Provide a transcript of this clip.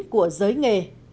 của giới nghề